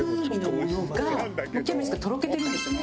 もうキャベツがとろけてるんですよね。